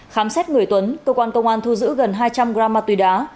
khám xét người tuấn cơ quan công an thu giữ gần hai trăm linh gram ma túy đá